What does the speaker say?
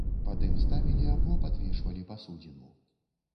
Пад ім ставілі або падвешвалі пасудзіну.